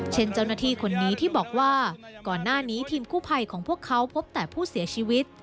เช่นเจ้าหน้าที่คนนี้ที่บอกว่าก่อนหน้านี้ทีมกู้ภัยของพวกเขาพบแต่ผู้เสียชีวิต